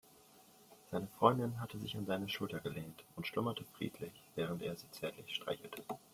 Seine Freundin hatte sich an seine Schulter gelehnt und schlummerte friedlich, während er sie zärtlich streichelte.